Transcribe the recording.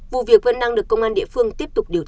vụ việc vẫn đang được công an địa phương tiếp tục điều tra